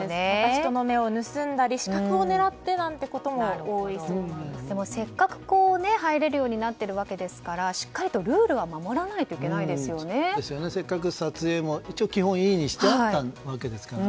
人の目を盗んだり死角を狙ってということもでも、せっかく入れるようになっているわけですからしっかりとルールはせっかく撮影も基本いいとしてあったので。